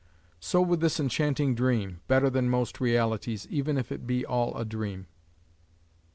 So with this enchanting dream, better than most realities, even if it be all a dream.